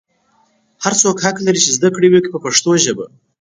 هر څوک حق لري چې زده کړه وکړي په پښتو ژبه.